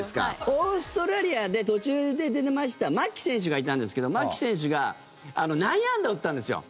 オーストラリアで途中で出ました牧選手がいたんですけど牧選手が内野安打を打ったんですよ。